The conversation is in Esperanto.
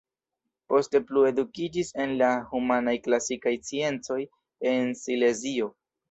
Poste plu edukiĝis en la humanaj-klasikaj sciencoj en Silezio.